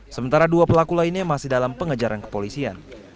sementara dua pelaku lainnya masih dalam pengejaran kepolisian